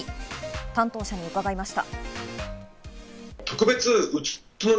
担当者に伺いました。